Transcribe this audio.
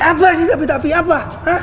apa sih tapi apa